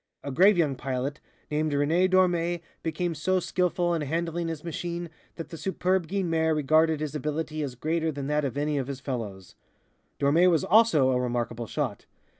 A grave young pilot named René Dormé became so skilful in handling his machine that the superb Guynemer regarded his ability as greater than that of any of his fellows. Dormé was also a remarkable shot.